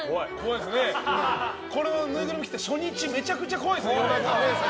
ぬいぐるみが来た初日めちゃくちゃ怖いですね。